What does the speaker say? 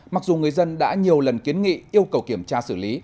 mặc dù người dân đã nhiều lần kiến nghị yêu cầu kiểm tra xử lý